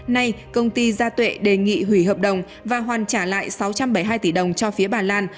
nay công ty gia tuệ đề nghị hủy hợp đồng và hoàn trả lại sáu trăm bảy mươi hai tỷ đồng cho phía bà lan